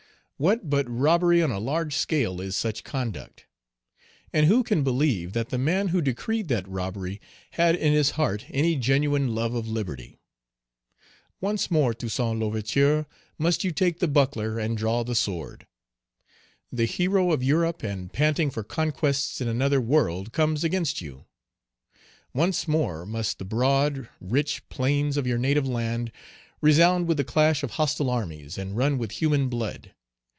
What but robbery on a large scale is such conduct? And who can believe that the man who decreed that robbery had in his heart any genuine love of liberty? Once more, Toussaint L'Ouverture, must you take the buckler and draw the sword. The hero of Europe, and panting for Page 148 conquests in another world, comes against you. Once more must the broad, rich plains of your native land resound with the clash of hostile armies, and run with human blood.